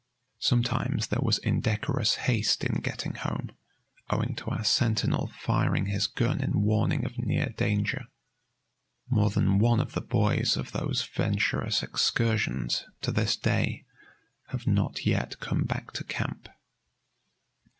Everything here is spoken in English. Sometimes there was indecorous haste in getting home, owing to our sentinel firing his gun in warning of near danger. More than one of the boys of those venturous excursions, to this day, have not yet come back to camp.